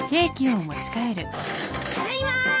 ただいま。